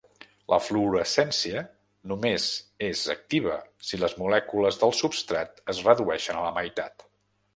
La fluorescència només és activa si les molècules del substrat es redueixen a la meitat.